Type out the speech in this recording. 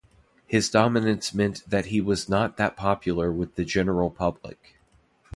His dominance meant that he was not that popular with the general public.